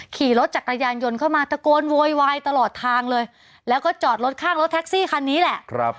ขี่รถจักรยานยนต์เข้ามาตะโกนโวยวายตลอดทางเลยแล้วก็จอดรถข้างรถแท็กซี่คันนี้แหละ